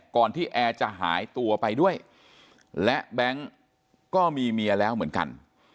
ก่อนที่แอร์จะหายตัวไปด้วยและแบงค์ก็มีเมียแล้วเหมือนกัน